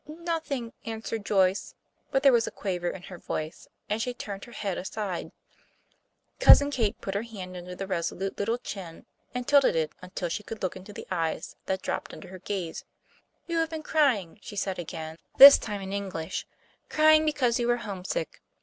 "Nothing," answered Joyce, but there was a quaver in her voice, and she turned her head aside. Cousin Kate put her hand under the resolute little chin, and tilted it until she could look into the eyes that dropped under her gaze "You have been crying," she said again, this time in English, "crying because you are homesick.